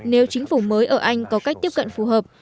nếu chính phủ mới ở anh có cách tiếp cận phù hợp